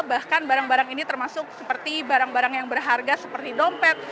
bahkan barang barang ini termasuk seperti barang barang yang berharga seperti dompet